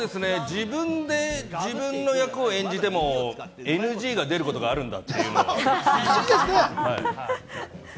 自分で自分の役を演じてもＮＧが出ることがあるんだっていう。